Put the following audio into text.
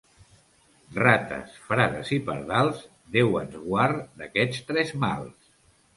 Rates, frares i pardals, Déu ens guard d'aquests tres mals.